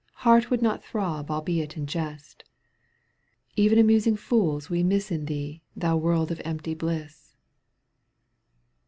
Heart would not throb albeit in jest — Even amusing fools we miss In thee, thou world of empty bliss.